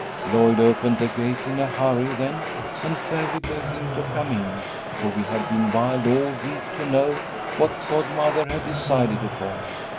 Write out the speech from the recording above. "Lloyd opened the gate in a hurry then, and fairly begged him to come in, for we had been wild all week to know what godmother had decided upon.